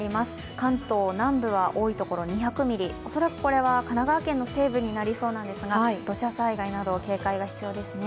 関東南部は多い所で２００ミリ恐らく神奈川県の西部になりそうなんですが土砂災害など警戒が必要ですね。